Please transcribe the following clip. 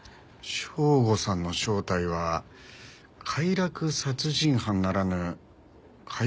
省吾さんの正体は快楽殺人犯ならぬ快楽放火魔ですか。